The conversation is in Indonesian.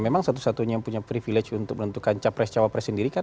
memang satu satunya yang punya privilege untuk menentukan capres cawapres sendiri kan